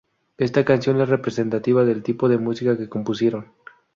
Esta canción es representativa del tipo de música que compusieron.